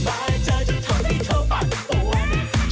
มึงจะเสิร์ฟไปทำไมกูถามมึงเนี่ย